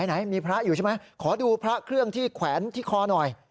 ไหนมีพระอยู่ใช่ไหมขอดูพระเครื่องที่แขวนที่คอหน่อย